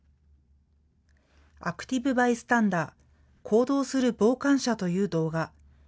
アクティブバイスタンダー・行動する傍観者という動画。